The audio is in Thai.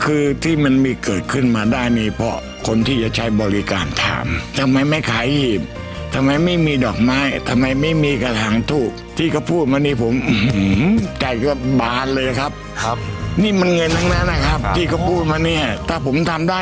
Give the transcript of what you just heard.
เอ๊ะแล้วได้ถามครับที่บ้านไหม